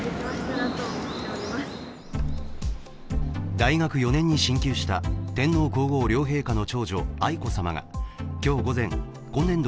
大学４年生に進級した天皇皇后両陛下の長女・愛子さまが今日午前、今年度